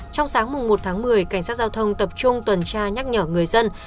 trong sáng một tháng một mươi cảnh sát giao thông tập trung tuần tra nhắc nhở người dân